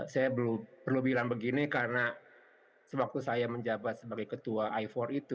saya belum perlu bilang begini karena sewaktu saya menjabat sebagai ketua i empat itu